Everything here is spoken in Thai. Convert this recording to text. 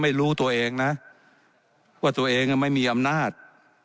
ไม่รู้ตัวเองนะว่าตัวเองไม่มีอำนาจ